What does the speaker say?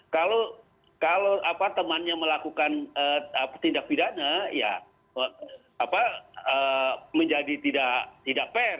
kalau temannya melakukan tindak pidana menjadi tidak pair